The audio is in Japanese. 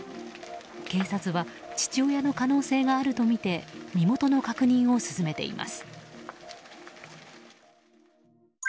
警察は父親の可能性があるとみて身元の確認を進めています。